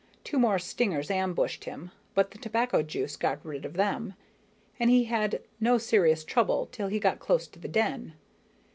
Two more stingers ambushed him, but the tobacco juice got rid of them, and he had no serious trouble till he got close to the den.